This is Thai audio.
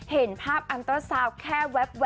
เห็นภาพอันตราซาวแค่แว๊บ